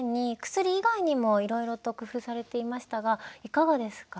薬以外にもいろいろと工夫されていましたがいかがですか？